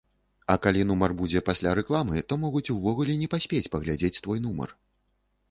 А калі нумар будзе пасля рэкламы, то могуць увогуле не паспець паглядзець твой нумар.